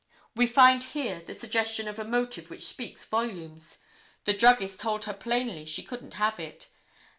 We find here the suggestion of a motive which speaks volumes. The druggist told her plainly she couldn't have it.